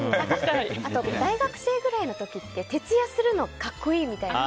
あと、大学生くらいの時って徹夜するの格好いいみたいな。